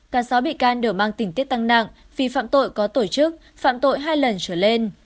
cả sáu bị can đều mang tỉnh tiết tăng nặng vì phạm tội có tổ chức phạm tội hai lần trở lên